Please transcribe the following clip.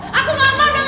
papa udah bohongin aku